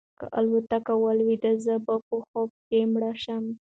که الوتکه ولویده زه به په خوب کې مړ شم.